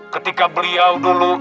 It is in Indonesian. ketika beliau dulu